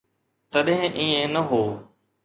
تڏهن ائين نه هو.